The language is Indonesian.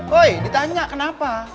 woy ditanya kenapa